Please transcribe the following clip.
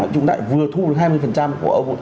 chúng ta vừa thu được hai mươi